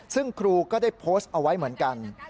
ซึ่งครูก็ได้โพสต์เอาไว้เหมือนกัน